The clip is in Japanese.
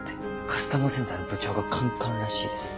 カスタマーセンターの部長がカンカンらしいです。